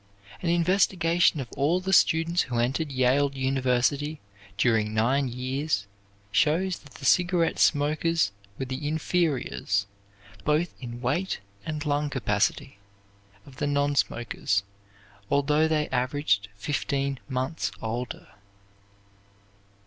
An investigation of all the students who entered Yale University during nine years shows that the cigarette smokers were the inferiors, both in weight and lung capacity, of the non smokers, although they averaged fifteen months older.